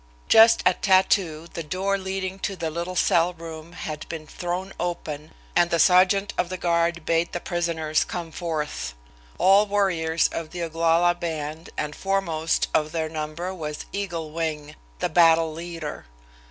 Just at tattoo the door leading to the little cell room had been thrown open, and the sergeant of the guard bade the prisoners come forth, all warriors of the Ogalalla band and foremost of their number was Eagle Wing, the battle leader.